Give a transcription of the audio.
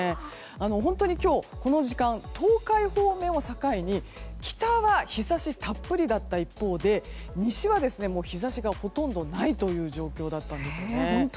本当に今日、この時間東海方面を境に北は日差したっぷりだった一方で西は日差しがほとんどないという状況だったんです。